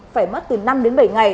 phải mất từ năm đến bảy ngày